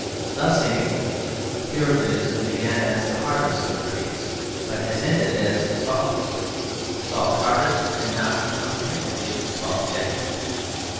Thus in England Puritanism began as the hardest of creeds, but has ended as the softest; soft hearted and not unfrequently soft headed.